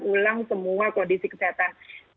ulang semua kondisi kesehatan